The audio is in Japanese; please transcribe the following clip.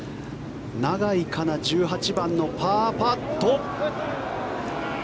永井花奈、１８番のパーパット。